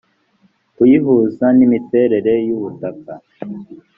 kubihuza n imiterere y ubutaka